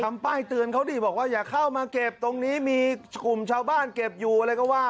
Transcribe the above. ป้ายเตือนเขาดิบอกว่าอย่าเข้ามาเก็บตรงนี้มีกลุ่มชาวบ้านเก็บอยู่อะไรก็ว่า